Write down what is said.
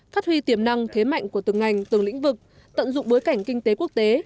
phát huy tiềm năng thế mạnh của từng ngành từng lĩnh vực tận dụng bối cảnh kinh tế quốc tế